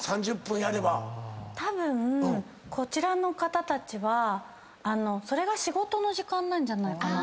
たぶんこちらの方たちはそれが仕事の時間なんじゃないかな。